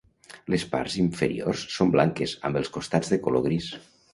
Les parts inferiors són blanques amb els costats de color gris.